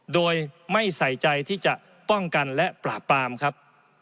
โดยไม่ใส่ใจที่จะป้องกันและปราบปรามครับ